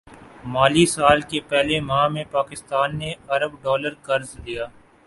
مالی سال کے پہلے ماہ میں پاکستان نے ارب ڈالر قرض لیا